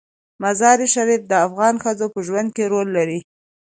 مزارشریف د افغان ښځو په ژوند کې رول لري.